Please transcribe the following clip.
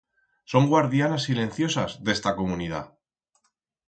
Son guardianas silenciosas d'esta comunidat.